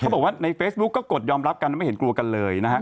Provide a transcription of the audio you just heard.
บอกว่าในเฟซบุ๊กก็กดยอมรับกันไม่เห็นกลัวกันเลยนะฮะ